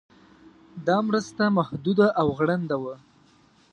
دا مرسته محدوده او غړنده وه.